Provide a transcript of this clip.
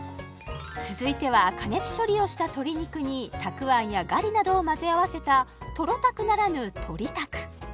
続いては加熱処理をした鶏肉にたくあんやガリなどをまぜ合わせた「とろたく」ならぬ「とりたく」